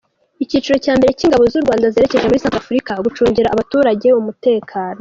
Icyiciro cya mbere cy’ingabo z’u Rwanda zerekeje muri Centrafrique, gucungira abaturage umutekano.